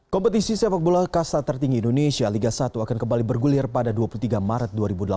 kompetisi sepak bola kasta tertinggi indonesia liga satu akan kembali bergulir pada dua puluh tiga maret dua ribu delapan belas